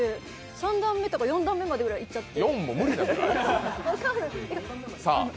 ３段目とか４段目ぐらいまでいっちゃって。